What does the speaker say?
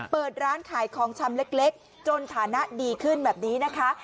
เปิดร้านขายของชำเล็กจนฐานะดีขึ้นแบบนี้นะคะ